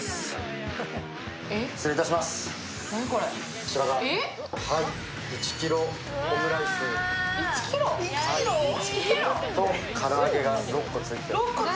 こちらが１ｋｇオムライスと唐揚げが６個ついてる。